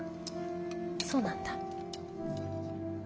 そうなんだ。